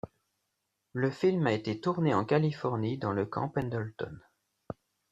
Le film a été tourné en Californie dans le Camp Pendleton.